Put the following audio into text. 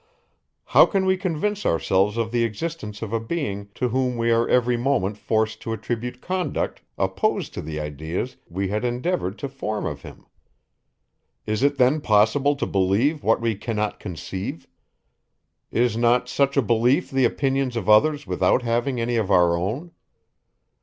How can we convince ourselves of the existence of a being, to whom we are every moment forced to attribute conduct, opposed to the ideas, we had endeavoured to form of him? Is it then possible to believe what we cannot conceive? Is not such a belief the opinions of others without having any of our own?